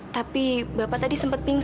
tapi bapak tadi sempat pingsan